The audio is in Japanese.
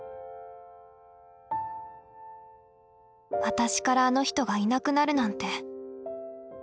私からあの人がいなくなるなんて。